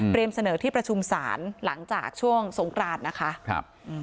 เตรียมเสนอที่ประชุมศาลหลังจากช่วงสงกราศนะคะ